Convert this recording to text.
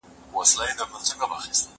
زده کوونکي پوښتني کوي.